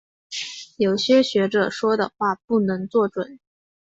有些学者说的话不能做准。